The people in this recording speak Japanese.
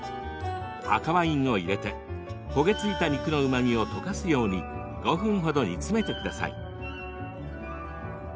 赤ワインを入れて、焦げついた肉のうまみを溶かすように５分ほど煮詰めてください。